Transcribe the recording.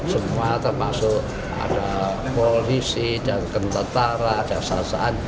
semua termasuk ada polisi ada tentara ada sasaran